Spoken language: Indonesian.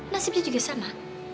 nasibnya juga sama